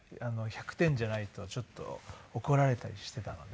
１００点じゃないとちょっと怒られたりしていたので。